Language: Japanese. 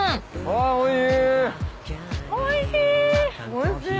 おいしい！